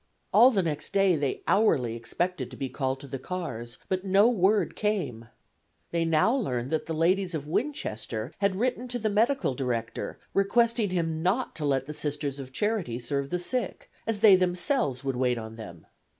All the next day they hourly expected to be called to the cars, but no word came. They now learned that the ladies of Winchester had written to the medical director requesting him not to let the Sisters of Charity serve the sick, as they themselves would wait on them.